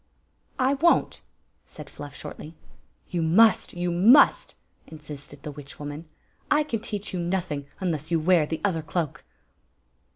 " I won't," said Fluff, shordy. "You must! You must!" insisted the witch woman. " I can teach you nothing unless you wear the other cloak."